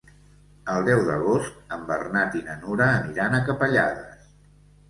El deu d'agost en Bernat i na Nura aniran a Capellades.